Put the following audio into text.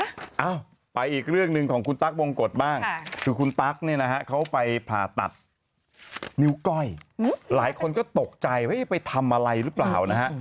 เอ้าไปอีกเรื่องหนึ่งของคุณตั๊กวงกฎบ้างคือคุณตั๊กเนี่ยนะฮะเขาไปผ่าตัดนิ้วก้อยหลายคนก็ตกใจว่าไปทำอะไรหรือเปล่านะฮะ